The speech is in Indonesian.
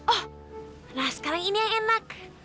oh nah sekarang ini yang enak